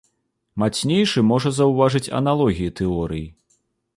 Мацнейшы можа заўважыць аналогіі тэорый.